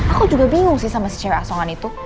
aku juga bingung sih sama si cewek asongan itu